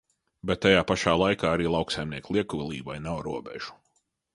Bet tajā pašā laikā arī lauksaimnieku liekulībai nav robežu.